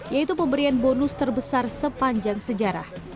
yaitu pemberian bonus terbesar sepanjang sejarah